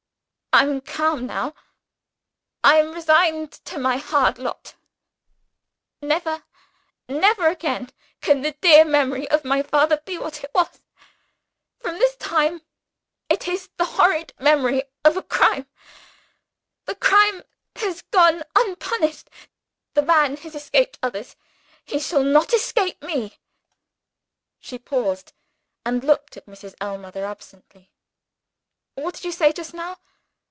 I am calm now; I am resigned to my hard lot. Never, never again, can the dear memory of my father be what it was! From this time, it is the horrid memory of a crime. The crime has gone unpunished; the man has escaped others. He shall not escape Me." She paused, and looked at Mrs. Ellmother absently. "What did you say just now?